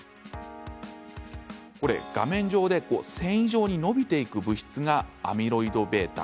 画面上で、繊維状に伸びていく物質がアミロイドβ。